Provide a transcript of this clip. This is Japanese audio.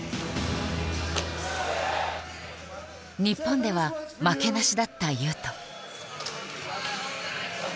日本では負けなしだった雄斗。